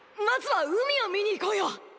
まずは海を見に行こうよ！